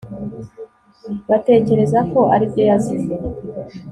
batekereza ko aribyo yazize